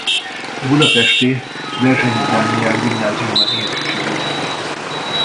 A budapesti Berzsenyi Dániel gimnáziumban érettségizett.